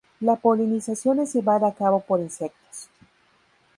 La polinización es llevada a cabo por insectos.